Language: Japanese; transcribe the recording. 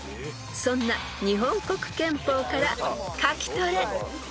［そんな日本国憲法から書きトレ］